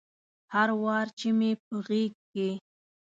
هر وار چې مې په غیږ کې